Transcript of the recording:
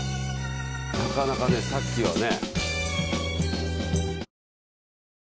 なかなかねさっきのはね。